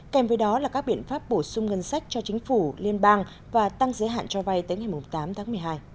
kèm với đó là các biện pháp bổ sung ngân sách cho chính phủ liên bang và tăng giới hạn cho vay tới ngày tám tháng một mươi hai